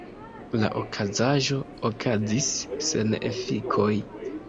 La okazaĵo okazis sen efikoj.